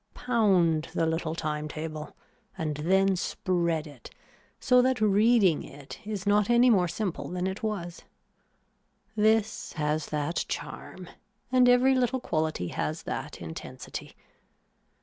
Pound the little time table and then spread it so that reading it is not any more simple than it was. This has that charm and every little quality has that intensity.